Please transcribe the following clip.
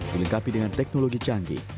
dilengkapi dengan teknologi canggih